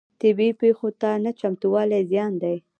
طبیعي پیښو ته نه چمتووالی زیان دی.